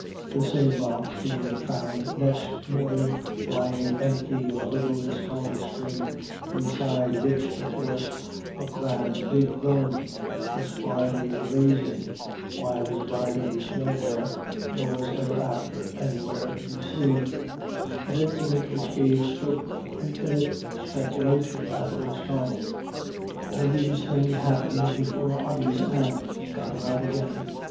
The same box being found next morning lying empty in the little Lisconnel stream, beside which the horse, "a grand big roan," was quietly grazing, while his rider was nowhere, nor was ever after anywhere, to be seen; an incident which gave scope for infinite speculation at Lisconnel. All these things happened before Ody's aunt got about again.